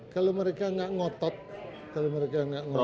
kalau mereka enggak ngotot kalau mereka enggak ngotot